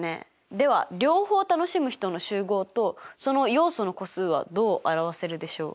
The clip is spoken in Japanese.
では両方楽しむ人の集合とその要素の個数はどう表せるでしょう？